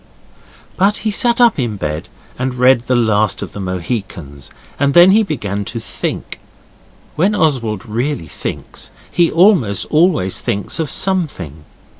But he sat up in bed and read The Last of the Mohicans, and then he began to think. When Oswald really thinks he almost always thinks of something.